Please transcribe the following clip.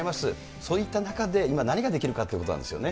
そういった中で、今何ができるかということなんですよね。